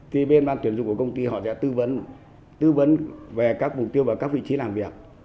thì bên ban tuyển dụng của công ty họ sẽ tư vấn tư vấn về các mục tiêu và các vị trí làm việc